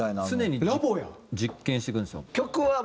常に実験していくんですよ。